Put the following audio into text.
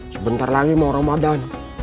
sebentar lagi mau ramadan